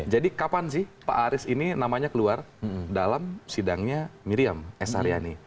jadi kapan sih pak aris ini namanya keluar dalam sidangnya miriam s saryani